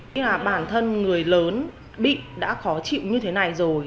khi mà bản thân người lớn bị đã khó chịu như thế này rồi